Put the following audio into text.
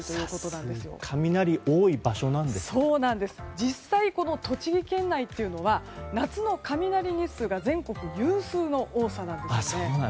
実際、栃木県内というのは夏の雷日数が全国有数の多さなんです。